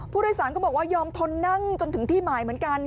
ผู้โดยสารก็บอกว่ายอมทนนั่งจนถึงที่หมายเหมือนกัน